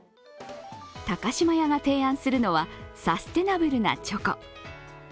高島屋が提案するのはサステイナブルなチョコ。